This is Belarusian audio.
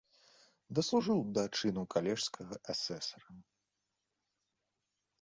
Даслужыў да чыну калежскага асэсара.